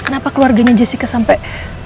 kenapa keluarganya jessica sampai